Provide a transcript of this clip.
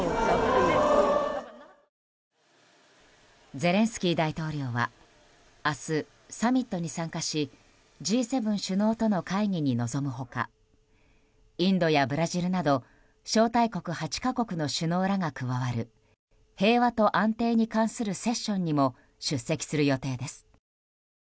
ゼレンスキー大統領は明日、サミットに参加しＧ７首脳との会議に臨む他インドやブラジルなど招待国８か国の首脳らが加わる平和と安定に関するセッションにも出席する予定です。